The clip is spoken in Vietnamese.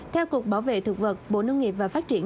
theo cục bảo vệ thực vật bộ nông nghiệp và phát triển